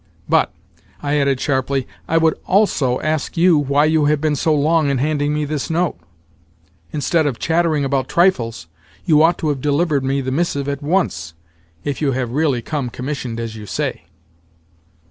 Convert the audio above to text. But," I added sharply, "I would also ask you why you have been so long in handing me this note? Instead of chattering about trifles, you ought to have delivered me the missive at once—if you have really come commissioned as you say."